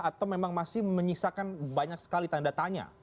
atau memang masih menyisakan banyak sekali tanda tanya